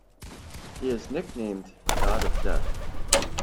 He is nicknamed "God of Death".